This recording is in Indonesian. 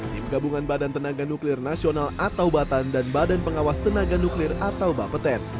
tim gabungan badan tenaga nuklir nasional atau batan dan badan pengawas tenaga nuklir atau bapeten